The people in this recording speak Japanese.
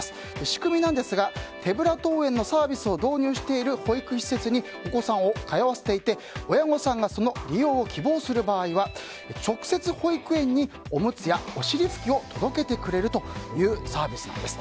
仕組みですが手ぶら登園のサービスを導入している保育施設にお子さんを通わせていて親御さんがその利用を希望する場合は直接、保育園におむつやおしり拭きを届けてくれるというサービスなんです。